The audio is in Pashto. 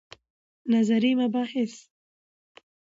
نظري مباحث